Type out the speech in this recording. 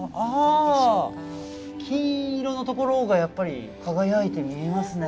金色のところがやっぱり輝いて見えますね。